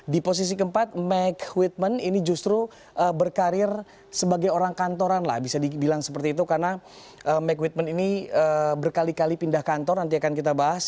di posisi keempat mac whitman ini justru berkarir sebagai orang kantoran lah bisa dibilang seperti itu karena mac whitman ini berkali kali pindah kantor nanti akan kita bahas